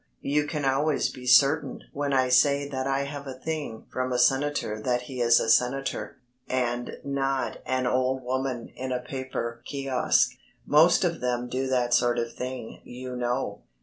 You can always be certain when I say that I have a thing from a senator that he is a senator, and not an old woman in a paper kiosque. Most of them do that sort of thing, you know."